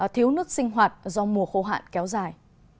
thiếu nước sinh hoạt do mùa khô hạn kéo dài